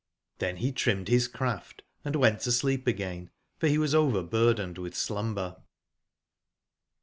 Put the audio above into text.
tiben be trimmed bis craft, and went to sleep again^forbewas overburdened witb slumber.